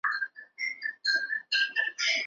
嘉庆四年出督福建学政。